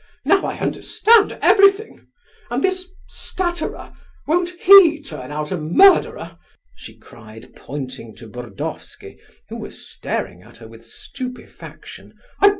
Now I understand everything. And this stutterer, won't he turn out a murderer?" she cried, pointing to Burdovsky, who was staring at her with stupefaction.